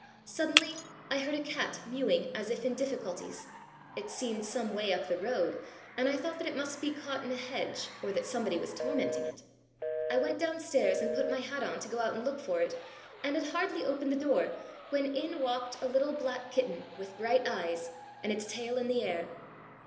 Suddenly, I heard a cat mewing as if in difficulties. It seemed some way up the road, and I thought that it must be caught in a hedge, or that somebody was tormenting it. I went downstairs and put my hat on to go out and look for it, and had hardly opened the door, when in walked a little black kitten with bright eyes and its tail in the air.